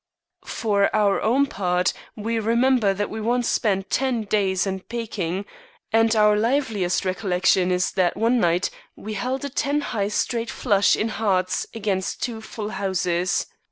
For our own part, we remember that we once spent ten days in Peking, and our liveliest recollection is that one night we held a ten high straight flush in hearts against two full houses.